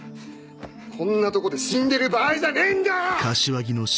こんなとこで死んでる場合じゃねえんだよ